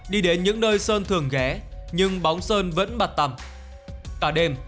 đi đến những nơi sơn thường ghé nhưng bóng sơn vẫn bặt tầm